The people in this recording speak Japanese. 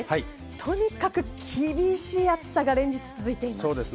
とにかく厳しい暑さが連日続いています。